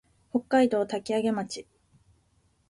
北海道滝上町